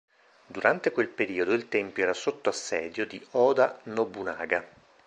Durante quel periodo il tempio era sotto assedio di Oda Nobunaga.